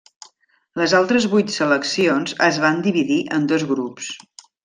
Les altres vuit seleccions es van dividir en dos grups.